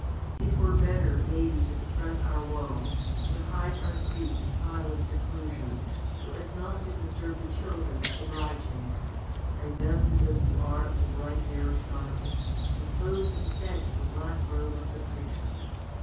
It were better, maybe, to suppress our woe, and to hide our grief in silent seclusion, so as not to disturb the children of the bride chamber, divested as we are of the bright marriage garment, and clothed instead with the black robe of the preacher.